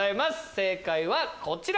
正解はこちら。